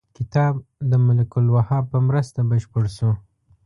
کتاب د ملک الوهاب په مرسته بشپړ شو.